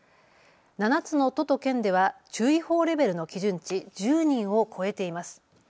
７つの都と県では注意報レベルの基準値１０人を超えています。